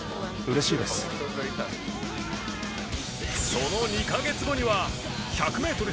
その２カ月後には１００メートル